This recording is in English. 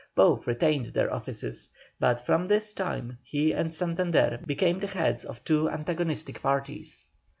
Both retained their offices, but from this time he and Santander became the heads of two antagonistic parties.